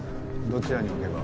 どちらに置けば。